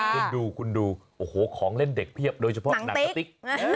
คุณดูคุณดูโอ้โหของเล่นเด็กเพียบโดยเฉพาะหนังกะติ๊ก